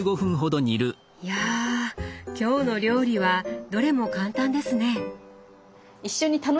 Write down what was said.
いや今日の料理はどれも簡単ですね。